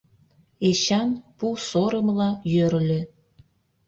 Эчан пу сорымла йӧрльӧ.